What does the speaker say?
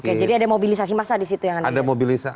oke jadi ada mobilisasi massa di situ yang anda